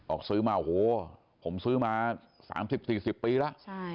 ซื้อมาโอ้โหผมซื้อมา๓๐๔๐ปีแล้ว